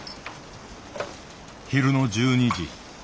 昼の１２時。